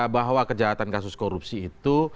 bahwa kejahatan kasus korupsi itu